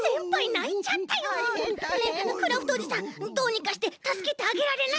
たいへんたいへん。ねえクラフトおじさんどうにかしてたすけてあげられないの？